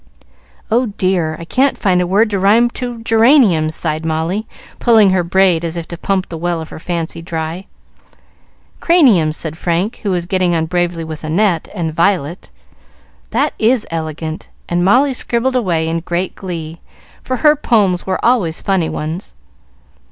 "Oh, dear! I can't find a word to rhyme to 'geranium,'" sighed Molly, pulling her braid, as if to pump the well of her fancy dry. "Cranium," said Frank, who was getting on bravely with "Annette" and "violet." "That is elegant!" and Molly scribbled away in great glee, for her poems were always funny ones.